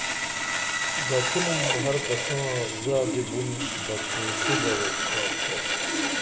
دڇھنُم ہر کساں زادی بُن بدنیتی درو خاکسار